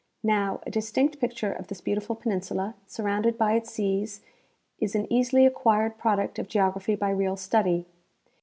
Now, a dis tinct picture of this beautiful peninsula, surrounded by its seas, is an easily acquired product of geography by real study.